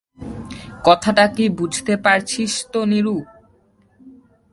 কথাটা কী বুঝতে পারছিস তো নীরু?